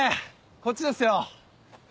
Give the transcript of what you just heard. こっちですよ。